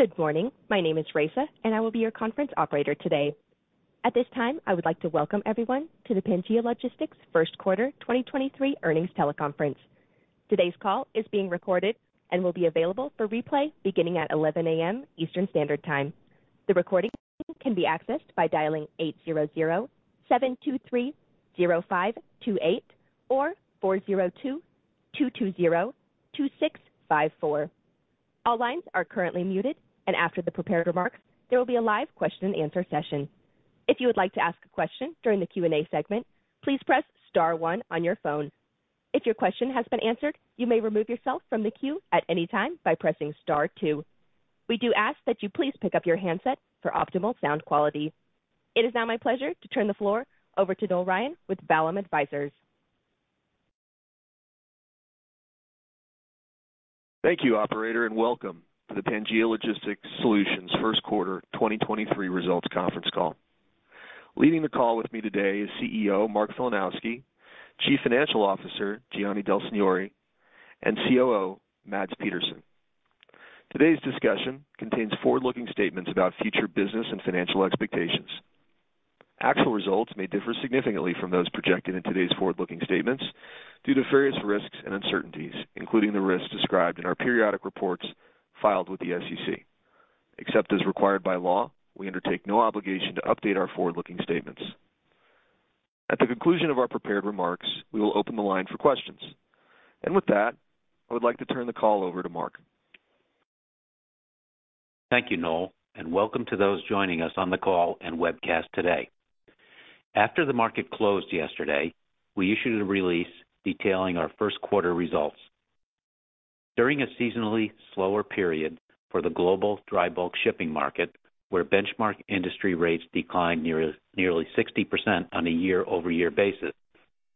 Good morning. My name is Raisa, and I will be your conference operator today. At this time, I would like to welcome everyone to the Pangaea Logistics First Quarter 2023 Earnings Teleconference. Today's call is being recorded and will be available for replay beginning at 11:00 A.M. Eastern Standard Time. The recording can be accessed by dialing 800-723-0528 or 402-220-2654. All lines are currently muted, and after the prepared remarks, there will be a live question-and-answer session. If you would like to ask a question during the Q&A segment, please press star one on your phone. If your question has been answered, you may remove yourself from the queue at any time by pressing star two. We do ask that you please pick up your handset for optimal sound quality. It is now my pleasure to turn the floor over to Noel Ryan with Vallum Advisors. Thank you, operator, welcome to the Pangaea Logistics Solutions First Quarter 2023 Results Conference Call. Leading the call with me today is CEO Mark Filanowski, Chief Financial Officer Gianni Del Signore, and COO Mads Petersen. Today's discussion contains forward-looking statements about future business and financial expectations. Actual results may differ significantly from those projected in today's forward-looking statements due to various risks and uncertainties, including the risks described in our periodic reports filed with the SEC. Except as required by law, we undertake no obligation to update our forward-looking statements. At the conclusion of our prepared remarks, we will open the line for questions. With that, I would like to turn the call over to Mark. Thank you, Noel. Welcome to those joining us on the call and webcast today. After the market closed yesterday, we issued a release detailing our first-quarter results. During a seasonally slower period for the global dry bulk shipping market, where benchmark industry rates declined nearly 60% on a year-over-year basis,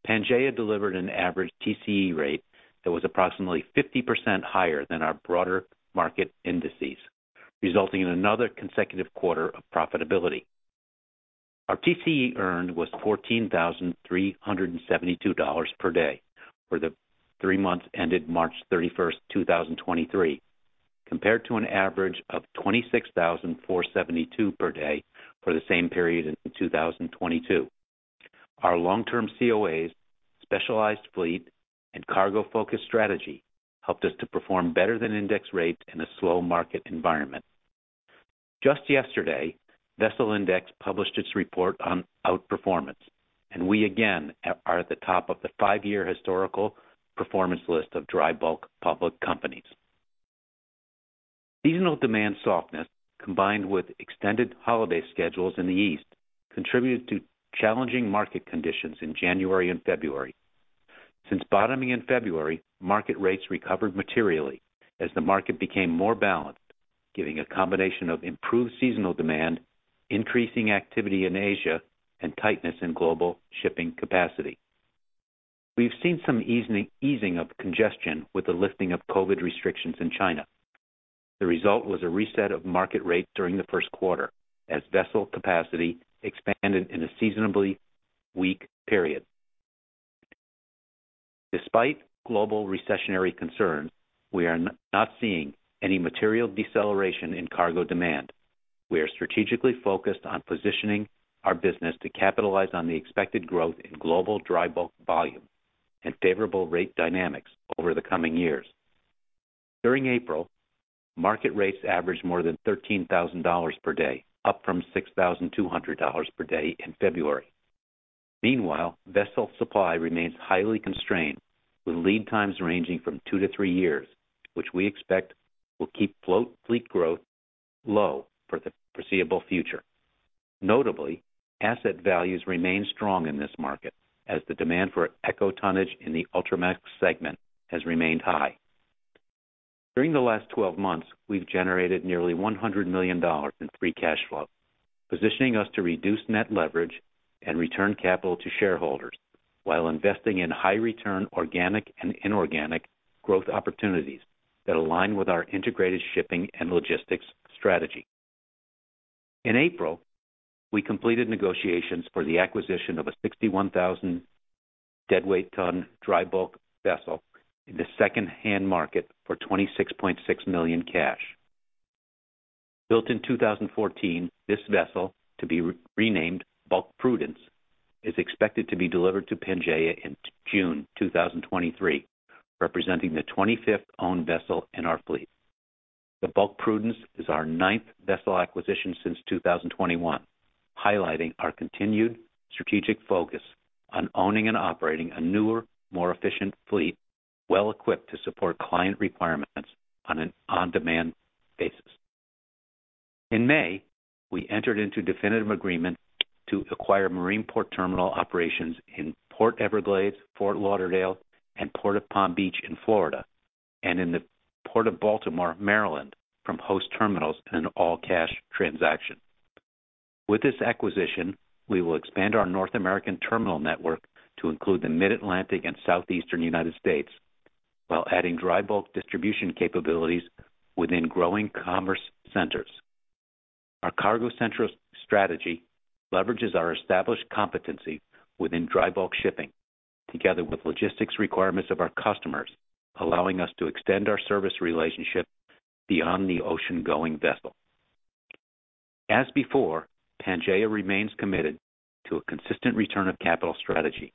Pangaea delivered an average TCE rate that was approximately 50% higher than our broader market indices, resulting in another consecutive quarter of profitability. Our TCE earn was $14,372 per day for the three months ended March 31, 2023, compared to an average of $26,472 per day for the same period in 2022. Our long-term COAs, specialized fleet, and cargo-focused strategy helped us to perform better than index rates in a slow market environment. Just yesterday, VESSELINDEX published its report on outperformance. We again are at the top of the five-year historical performance list of dry bulk public companies. Seasonal demand softness, combined with extended holiday schedules in the East, contributed to challenging market conditions in January and February. Since bottoming in February, market rates recovered materially as the market became more balanced, giving a combination of improved seasonal demand, increasing activity in Asia, and tightness in global shipping capacity. We've seen some easing of congestion with the lifting of COVID restrictions in China. The result was a reset of market rates during the first quarter as vessel capacity expanded in a seasonably weak period. Despite global recessionary concerns, we are not seeing any material deceleration in cargo demand. We are strategically focused on positioning our business to capitalize on the expected growth in global dry bulk volume and favorable rate dynamics over the coming years. During April, market rates averaged more than $13,000 per day, up from $6,200 per day in February. Meanwhile, vessel supply remains highly constrained, with lead times ranging from two to three years, which we expect will keep float fleet growth low for the foreseeable future. Notably, asset values remain strong in this market as the demand for eco-tonnage in the Ultramax segment has remained high. During the last 12 months, we've generated nearly $100 million in free cash flow, positioning us to reduce net leverage and return capital to shareholders while investing in high-return organic and inorganic growth opportunities that align with our integrated shipping and logistics strategy. In April, we completed negotiations for the acquisition of a 61,000 deadweight ton dry bulk vessel in the secondhand market for $26.6 million cash. Built in 2014, this vessel, to be re-renamed Bulk Prudence, is expected to be delivered to Pangaea in June 2023, representing the 25th owned vessel in our fleet. The Bulk Prudence is our 9th vessel acquisition since 2021, highlighting our continued strategic focus on owning and operating a newer, more efficient fleet, well-equipped to support client requirements on an on-demand basis. In May, we entered into a definitive agreement to acquire Marine Port Terminal operations in Port Everglades, Fort Lauderdale, and Port of Palm Beach in Florida, and in the Port of Baltimore, Maryland, from Host Terminals in an all-cash transaction. With this acquisition, we will expand our North American terminal network to include the Mid-Atlantic and Southeastern United States while adding dry bulk distribution capabilities within growing commerce centers. Our cargo-centric strategy leverages our established competency within dry bulk shipping, together with logistics requirements of our customers, allowing us to extend our service relationship beyond the ocean-going vessel. As before, Pangaea remains committed to a consistent return of capital strategy.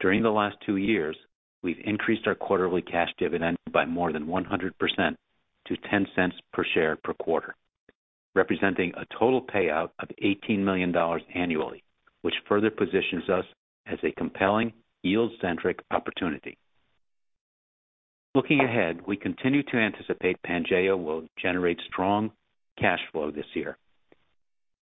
During the last two years, we've increased our quarterly cash dividend by more than 100% to $0.10 per share per quarter, representing a total payout of $18 million annually, which further positions us as a compelling yield-centric opportunity. Looking ahead, we continue to anticipate Pangaea will generate strong cash flow this year,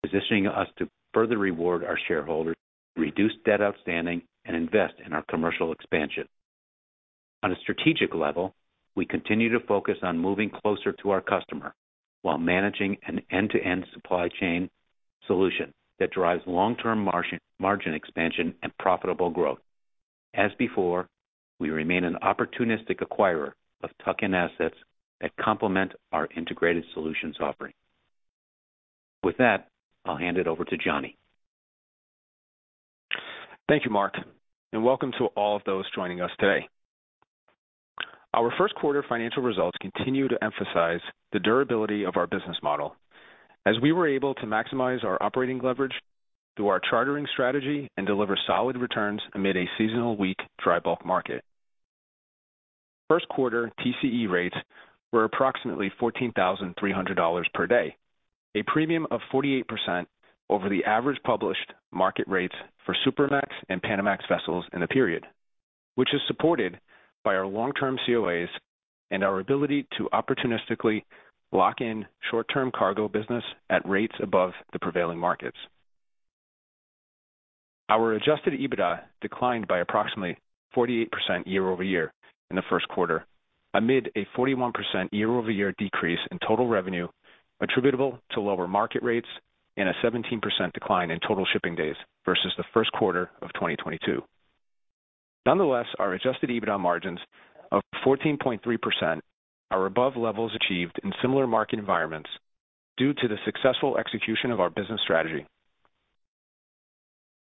positioning us to further reward our shareholders, reduce debt outstanding and invest in our commercial expansion. On a strategic level, we continue to focus on moving closer to our customer while managing an end-to-end supply chain solution that drives long-term margin expansion and profitable growth. As before, we remain an opportunistic acquirer of tuck-in assets that complement our integrated solutions offering. With that, I'll hand it over to Gianni. Thank you, Mark, and welcome to all of those joining us today. Our first quarter financial results continue to emphasize the durability of our business model as we were able to maximize our operating leverage through our chartering strategy and deliver solid returns amid a seasonal weak dry bulk market. First quarter TCE rates were approximately $14,300 per day, a premium of 48% over the average published market rates for Supramax and Panamax vessels in the period, which is supported by our long-term COAs and our ability to opportunistically lock in short-term cargo business at rates above the prevailing markets. Our Adjusted EBITDA declined by approximately 48% year-over-year in the first quarter, amid a 41% year-over-year decrease in total revenue attributable to lower market rates and a 17% decline in total shipping days versus the first quarter of 2022. Nonetheless, our Adjusted EBITDA margins of 14.3% are above levels achieved in similar market environments due to the successful execution of our business strategy.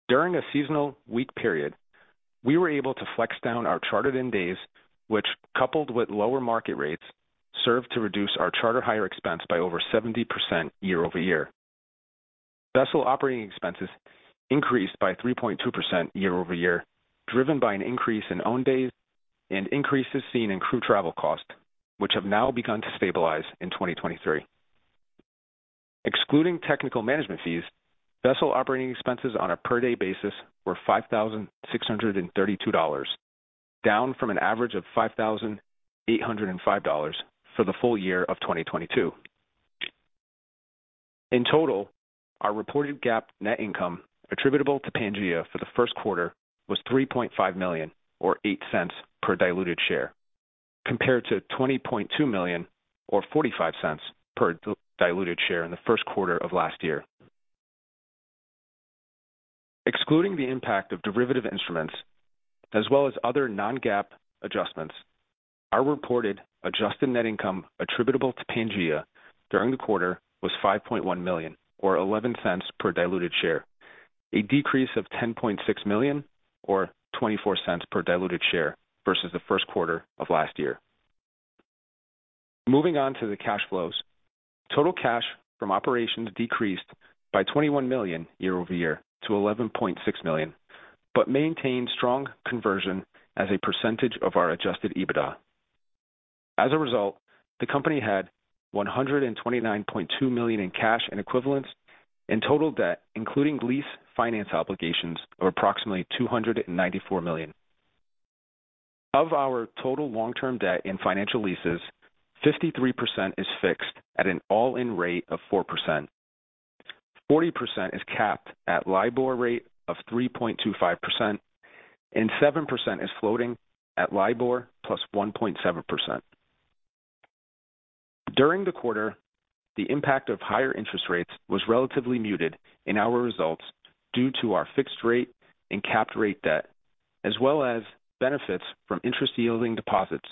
During a seasonal weak period, we were able to flex down our chartered-in days, which, coupled with lower market rates, served to reduce our charter hire expense by over 70% year-over-year. Vessel operating expenses increased by 3.2% year-over-year, driven by an increase in own days and increases seen in crew travel cost, which have now begun to stabilize in 2023. Excluding technical management fees, vessel operating expenses on a per-day basis were $5,632, down from an average of $5,805 for the full year of 2022. In total, our reported GAAP net income attributable to Pangaea for the first quarter was $3.5 million or $0.08 per diluted share, compared to $20.2 million or $0.45 per diluted share in the first quarter of last year. Excluding the impact of derivative instruments as well as other non-GAAP adjustments, our reported adjusted net income attributable to Pangaea during the quarter was $5.1 million or $0.11 per diluted share, a decrease of $10.6 million or $0.24 per diluted share versus the first quarter of last year. Moving on to the cash flows. Total cash from operations decreased by $21 million year-over-year to $11.6 million, but maintained strong conversion as a percentage of our Adjusted EBITDA. As a result, the company had $129.2 million in cash and equivalents and total debt, including lease finance obligations of approximately $294 million. Of our total long-term debt in financial leases, 53% is fixed at an all-in rate of 4%. 40% is capped at LIBOR rate of 3.25%, and 7% is floating at LIBOR +1.7%. During the quarter, the impact of higher interest rates was relatively muted in our results due to our fixed rate and capped rate debt, as well as benefits from interest yielding deposits,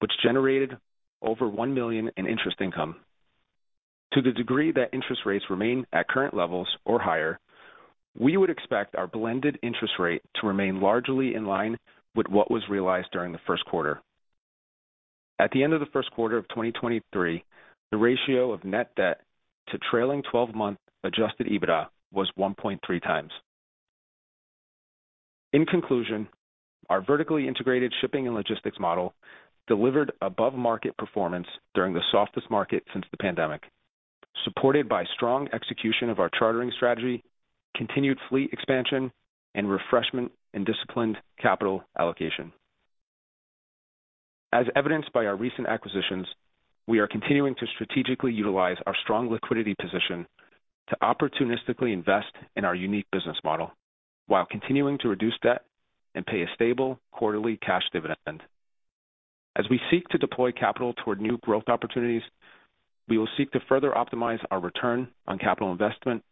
which generated over $1 million in interest income. To the degree that interest rates remain at current levels or higher, we would expect our blended interest rate to remain largely in line with what was realized during the first quarter. At the end of the first quarter of 2023, the ratio of net debt to trailing 12 month Adjusted EBITDA was 1.3x. In conclusion, our vertically integrated shipping and logistics model delivered above-market performance during the softest market since the pandemic, supported by strong execution of our chartering strategy, continued fleet expansion and refreshment and disciplined capital allocation. As evidenced by our recent acquisitions, we are continuing to strategically utilize our strong liquidity position to opportunistically invest in our unique business model while continuing to reduce debt and pay a stable quarterly cash dividend. As we seek to deploy capital toward new growth opportunities, we will seek to further optimize our return on capital investment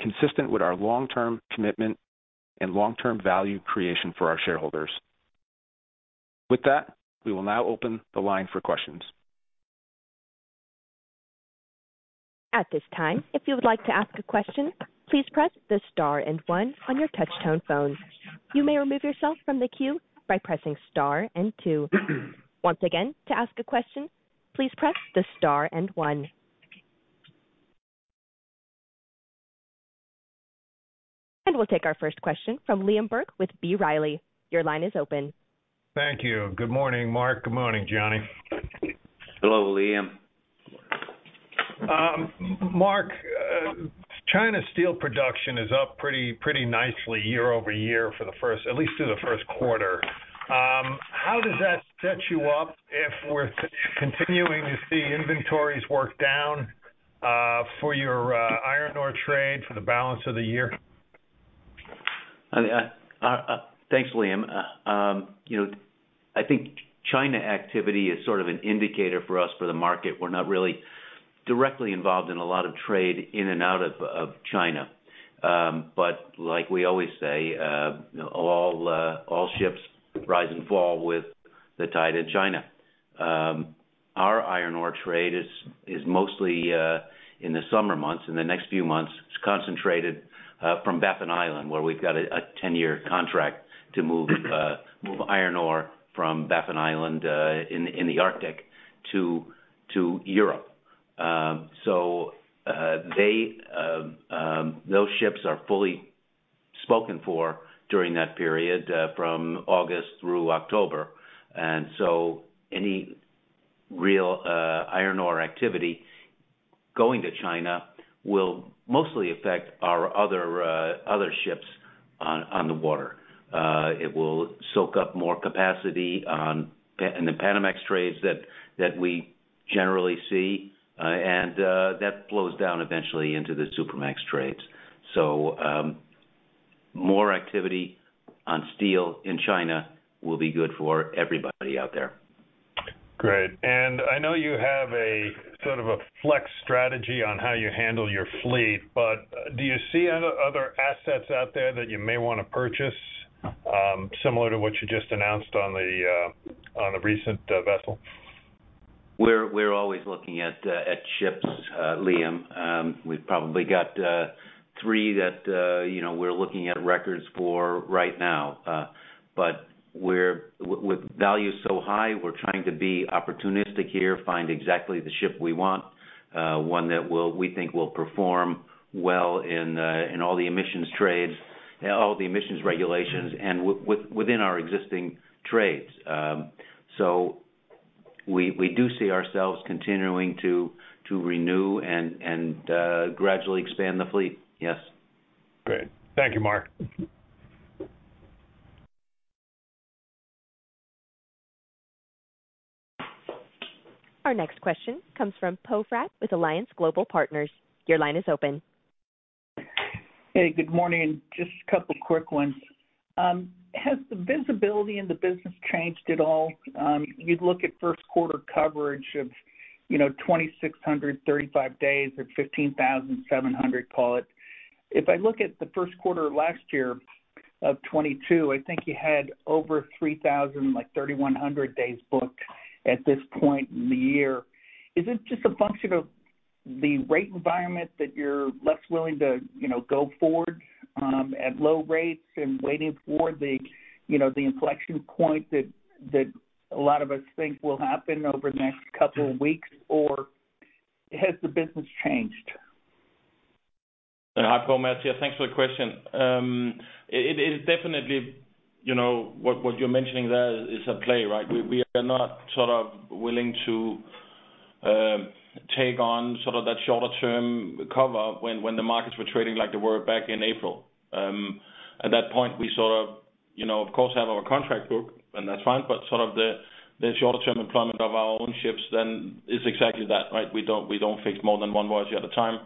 consistent with our long-term commitment and long-term value creation for our shareholders. With that, we will now open the line for questions. At this time, if you would like to ask a question, please press the star and one on your touch-tone phone. You may remove yourself from the queue by pressing star and two. Once again, to ask a question, please press the star and one. We'll take our first question from Liam Burke with B. Riley. Your line is open. Thank you. Good morning, Mark. Good morning, Gianni. Hello, Liam. Mark, China's steel production is up pretty nicely year-over-year for the first, at least through the first quarter. How does that set you up if we're continuing to see inventories work down, for your iron ore trade for the balance of the year? Thanks, Liam. You know, I think China activity is sort of an indicator for us for the market. We're not really directly involved in a lot of trade in and out of China. Like we always say, all ships rise and fall with the tide in China. Our iron ore trade is mostly in the summer months, in the next few months. It's concentrated from Baffin Island, where we've got a 10-year contract to move iron ore from Baffin Island in the Arctic to Europe. Those ships are fully spoken for during that period, from August through October. Any real iron ore activity going to China will mostly affect our other ships on the water. It will soak up more capacity on, in the Panamax trades that we generally see, and that flows down eventually into the Supramax trades. More activity on steel in China will be good for everybody out there. Great. I know you have a sort of a flex strategy on how you handle your fleet, but do you see other assets out there that you may wanna purchase, similar to what you just announced on the recent vessel? We're always looking at ships, Liam. We've probably got three that, you know, we're looking at records for right now. With value so high, we're trying to be opportunistic here, find exactly the ship we want, one that we think will perform well in all the emissions trades, all the emissions regulations and within our existing trades. We do see ourselves continuing to renew and gradually expand the fleet. Yes. Great. Thank you, Mark. Our next question comes from Poe Fratt with Alliance Global Partners. Your line is open. Hey, good morning. Just a couple of quick ones. Has the visibility in the business changed at all? You look at first quarter coverage of, you know, 2,635 days or 15,700 call it. If I look at the first quarter last year of 2022, I think you had over 3,100 days booked at this point in the year. Is it just a function of the rate environment that you're less willing to, you know, go forward at low rates and waiting for the, you know, the inflection point that a lot of us think will happen over the next couple of weeks? Or has the business changed? Hi, Poe. Mads here. Thanks for the question. It is definitely, you know, what you're mentioning there is at play, right? We are not sort of willing to take on sort of that shorter term cover when the markets were trading like they were back in April. At that point, we sort of, you know, of course, have our contract booked, and that's fine, but sort of the shorter term employment of our own ships then is exactly that, right? We don't fix more than one voyage at a time.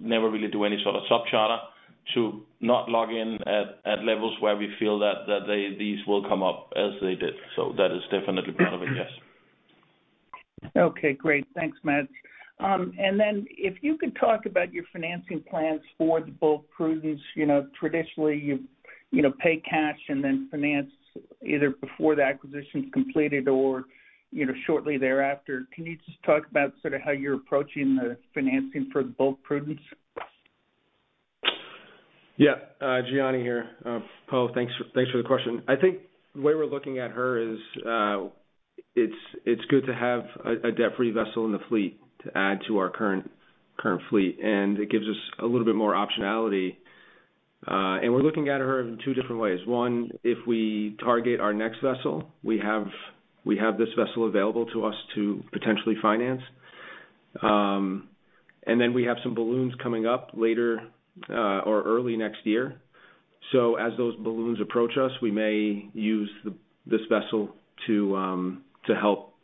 Never really do any sort of sub charter to not log in at levels where we feel that these will come up as they did. That is definitely part of it, yes. Okay, great. Thanks, Mads. If you could talk about your financing plans for the Bulk Prudence. You know, traditionally, you know, pay cash and then finance either before the acquisition is completed or, you know, shortly thereafter. Can you just talk about sort of how you're approaching the financing for the Bulk Prudence? Yeah. Gianni here. Po, thanks for the question. I think the way we're looking at her is, it's good to have a debt-free vessel in the fleet to add to our current fleet, and it gives us a little bit more optionality. We're looking at her in two different ways. One, if we target our next vessel, we have this vessel available to us to potentially finance. We have some balloons coming up later, or early next year. As those balloons approach us, we may use this vessel to help,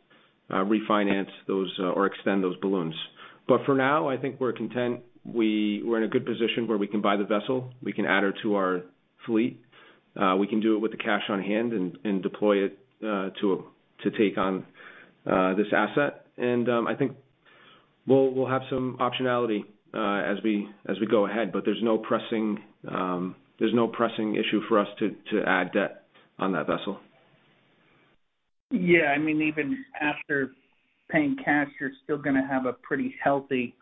refinance those, or extend those balloons. For now, I think we're content. We're in a good position where we can buy the vessel, we can add her to our fleet. We can do it with the cash on hand and deploy it to take on this asset. I think. We'll have some optionality as we go ahead, but there's no pressing issue for us to add debt on that vessel. Yeah, I mean, even after paying cash, you're still gonna have a pretty healthy,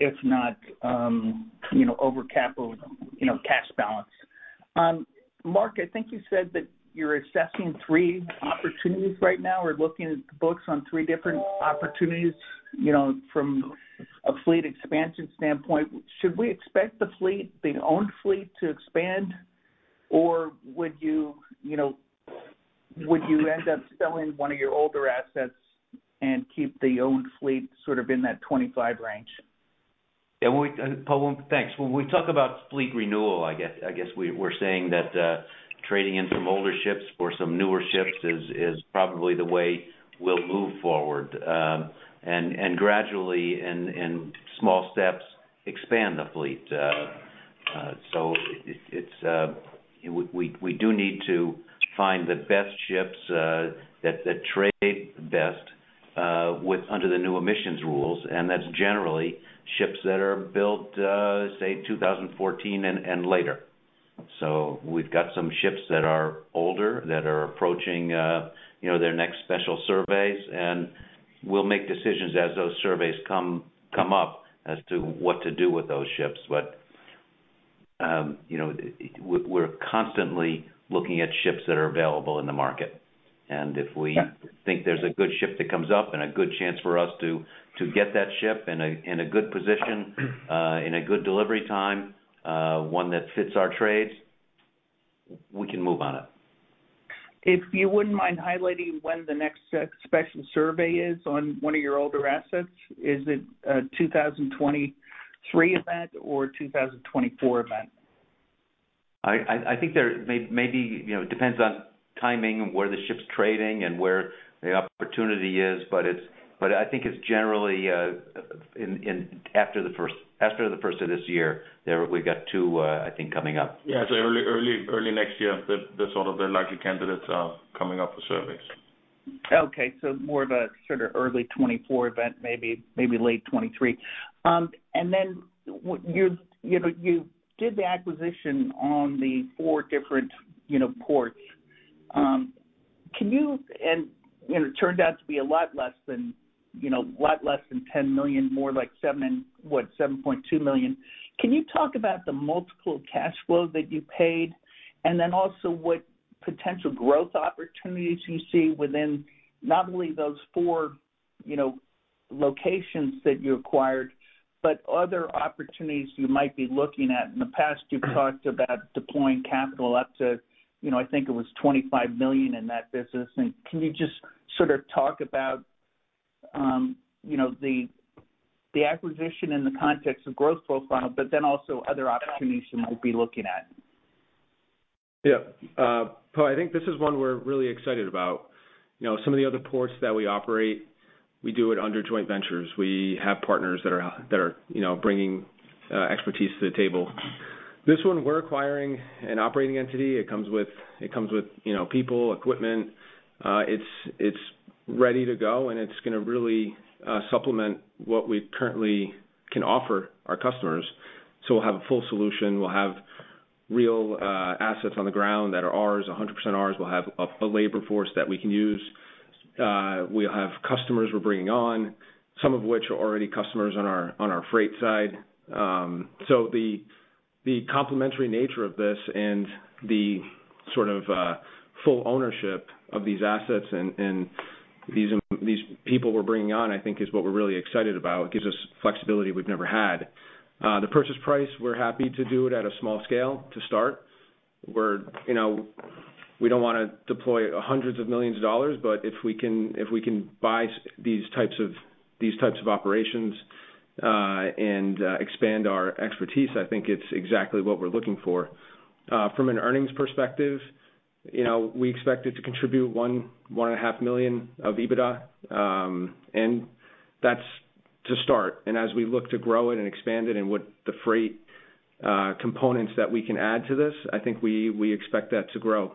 if not, you know, overcapital, you know, cash balance. Mark, I think you said that you're assessing three opportunities right now. We're looking at the books on three different opportunities, you know, from a fleet expansion standpoint. Should we expect the fleet, the owned fleet to expand? Would you know, would you end up selling one of your older assets and keep the owned fleet sort of in that 25 range? Paul, thanks. When we talk about fleet renewal, I guess we're saying that trading in some older ships for some newer ships is probably the way we'll move forward. Gradually, in small steps, expand the fleet. It's, you know we do need to find the best ships that trade best with under the new emissions rules, and that's generally ships that are built, say, 2014 and later. We've got some ships that are older that are approaching, you know, their next special surveys, and we'll make decisions as those surveys come up as to what to do with those ships. You know, we're constantly looking at ships that are available in the market. If we think there's a good ship that comes up and a good chance for us to get that ship in a, in a good position, in a good delivery time, one that fits our trades, we can move on it. If you wouldn't mind highlighting when the next special survey is on one of your older assets. Is it a 2023 event or 2024 event? I think there may be, you know, depends on timing, where the ship's trading and where the opportunity is, but I think it's generally, in after the first of this year, there we've got two, I think coming up. Yeah. Early next year, the sort of the likely candidates are coming up for surveys. Okay. More of a sort of early 2024 event, maybe late 2023. You know, you did the acquisition on the four different, you know, ports. Can you... You know, it turned out to be a lot less than, you know, a lot less than $10 million, more like $7.2 million. Can you talk about the multiple cash flows that you paid? Also what potential growth opportunities you see within not only those four, you know, locations that you acquired, but other opportunities you might be looking at. In the past, you've talked about deploying capital up to, you know, I think it was $25 million in that business. Can you just sort of talk about, you know, the acquisition in the context of growth profile, but then also other opportunities you might be looking at? Poe, I think this is one we're really excited about. You know, some of the other ports that we operate, we do it under joint ventures. We have partners that are, you know, bringing expertise to the table. This one, we're acquiring an operating entity. It comes with, you know, people, equipment. It's ready to go, and it's gonna really supplement what we currently can offer our customers. We'll have a full solution. We'll have real assets on the ground that are ours, 100% ours. We'll have a labor force that we can use. We'll have customers we're bringing on, some of which are already customers on our freight side. The complementary nature of this and the sort of full ownership of these assets and these people we're bringing on, I think is what we're really excited about. It gives us flexibility we've never had. The purchase price, we're happy to do it at a small scale to start. We're, you know, we don't want to deploy hundreds of millions of dollars, but if we can buy these types of operations and expand our expertise, I think it's exactly what we're looking for. From an earnings perspective, you know, we expect it to contribute $1 million-$1.5 million of EBITDA, and that's to start. As we look to grow it and expand it and what the freight components that we can add to this, I think we expect that to grow.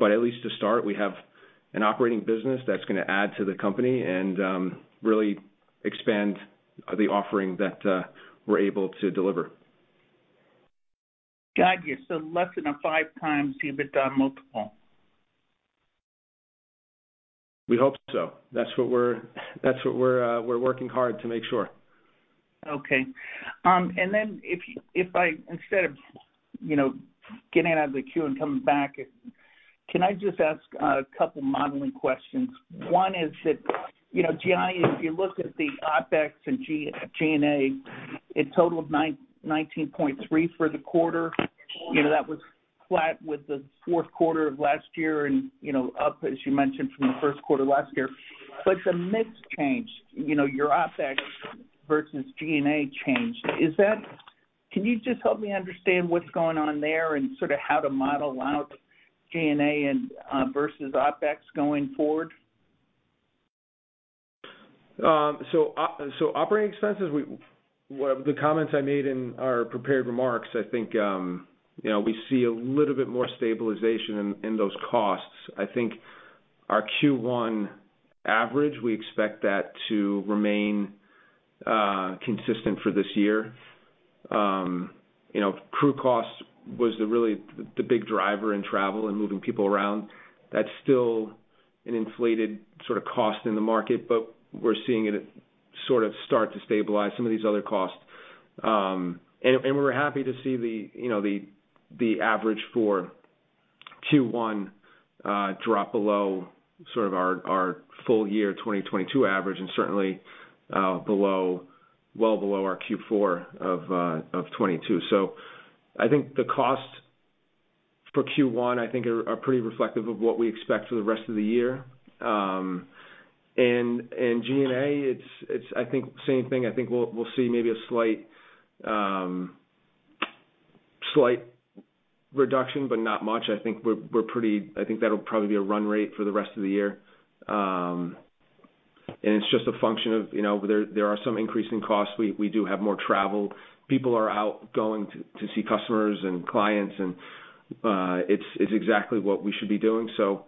At least to start, we have an operating business that's gonna add to the company and really expand the offering that we're able to deliver. Got you. Less than a 5x EBITDA multiple. We hope so. That's what we're working hard to make sure. Okay. Instead of, you know, getting out of the queue and coming back, can I just ask a couple modeling questions? One is that, you know, Gianni, if you look at the OpEx and G&A, it totaled $9.3 for the quarter. That was flat with the fourth quarter of last year and, you know, up, as you mentioned, from the first quarter last year. The mix changed, you know, your OpEx versus G&A changed. Is that... Can you just help me understand what's going on there and sort of how to model out G&A and versus OpEx going forward? Operating expenses, well, the comments I made in our prepared remarks, I think, you know, we see a little bit more stabilization in those costs. I think our Q1 average, we expect that to remain consistent for this year. You know, crew costs was really the big driver in travel and moving people around. That's still an inflated sort of cost in the market, but we're seeing it sort of start to stabilize some of these other costs. We're happy to see, you know, the average for Q1 drop below sort of our full year 2022 average and certainly below, well below our Q4 of 2022. I think the costs for Q1, I think are pretty reflective of what we expect for the rest of the year. And G&A, it's, I think, same thing. I think we'll see maybe a slight reduction, but not much. I think we're, I think that'll probably be a run rate for the rest of the year. It's just a function of, you know, there are some increasing costs. We do have more travel. People are out going to see customers and clients, and it's exactly what we should be doing, so.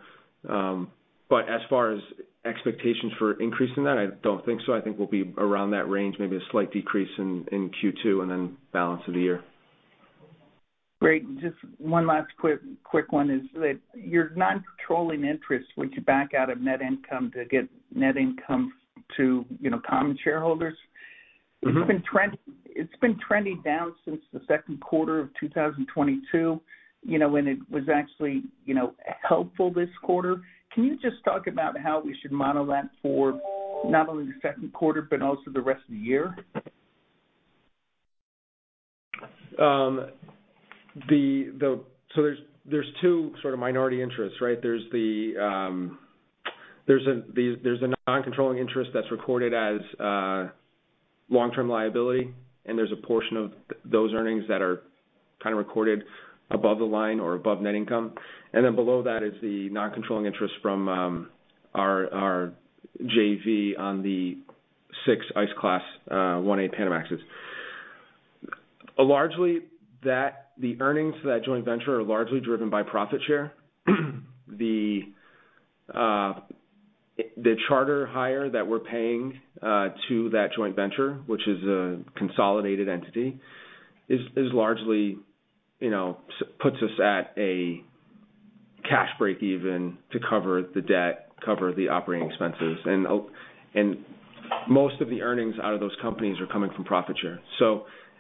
As far as expectations for increasing that, I don't think so. I think we'll be around that range, maybe a slight decrease in Q2 and then balance of the year. Great. Just one last quick one is that your non-controlling interest, which you back out of net income to get net income to, you know, common shareholders. Mm-hmm. It's been trending down since the second quarter of 2022, you know, when it was actually, you know, helpful this quarter. Can you just talk about how we should model that for not only the second quarter but also the rest of the year? There's two sort of minority interests, right? There's the, there's a non-controlling interest that's recorded as long-term liability, and there's a portion of those earnings that are kinda recorded above the line or above net income. Below that is the non-controlling interest from our JV on the six ice class, 18 Panamax. Largely, the earnings for that joint venture are largely driven by profit share. The charter hire that we're paying to that joint venture, which is a consolidated entity, is largely, you know, puts us at a cash break even to cover the debt, cover the operating expenses. Most of the earnings out of those companies are coming from profit share.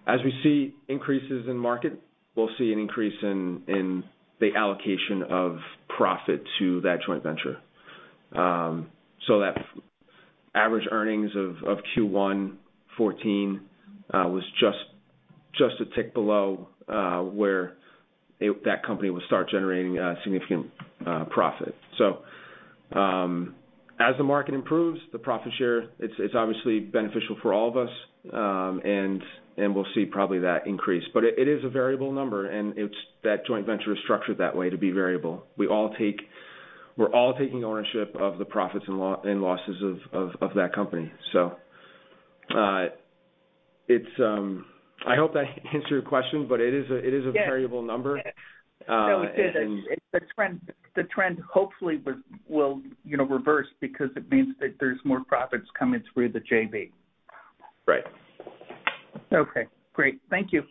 As we see increases in market, we'll see an increase in the allocation of profit to that joint venture. That average earnings of Q1 14 was just a tick below where that company would start generating significant profit. As the market improves, the profit share, it's obviously beneficial for all of us. And we'll see probably that increase. It is a variable number, and it's that joint venture is structured that way to be variable. We're all taking ownership of the profits and losses of that company. I hope that answered your question, but it is a, it is a- Yes. Variable number. Yes. Uh, and- No, it did. The trend hopefully will, you know, reverse because it means that there's more profits coming through the JV. Right. Okay, great. Thank you.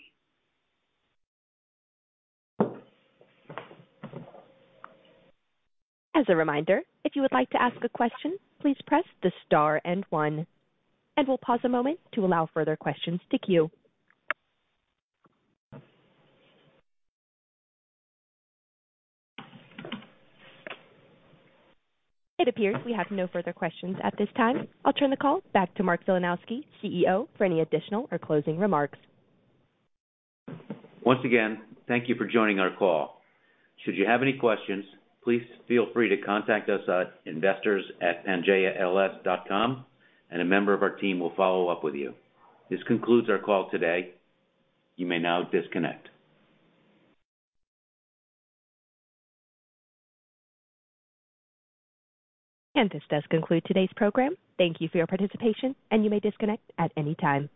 As a reminder, if you would like to ask a question, please press the star and one, and we'll pause a moment to allow further questions to queue. It appears we have no further questions at this time. I'll turn the call back to Mark Filanowski, CEO, for any additional or closing remarks. Once again, thank you for joining our call. Should you have any questions, please feel free to contact us at investors@pangaeals.com and a member of our team will follow up with you. This concludes our call today. You may now disconnect. This does conclude today's program. Thank you for your participation, and you may disconnect at any time.